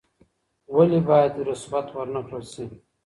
ولي بايد رسوت ورنکړل سي؟